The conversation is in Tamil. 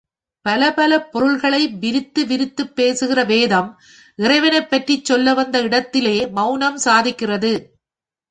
பல பல பொருள்களை விரித்து விரித்துப் பேசுகிற வேதம் இறைவனைப் பற்றிச் சொல்ல வந்த இடத்திலே மெளனம் சாதிக்கிறது.